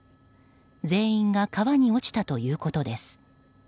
全員が川に落ちたということです。